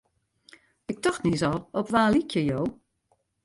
Ik tocht niis al, op wa lykje jo?